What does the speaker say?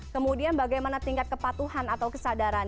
kemudian bagaimana tingkat kepatuhan atau kesadaran